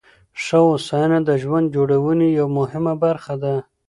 ښه هوساینه د ژوند جوړونې یوه مهمه برخه ده.